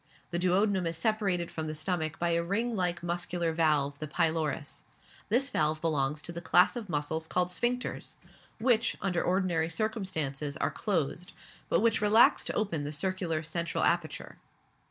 The duodenum is separated from the stomach by a ring like muscular valve, the pylorus; this valve belongs to the class of muscles called sphincters, which, under ordinary circumstances, are closed, but which relax to open the circular central aperture.